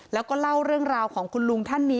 แล้วก็เล่าเรื่องราวของคุณลุงท่านนี้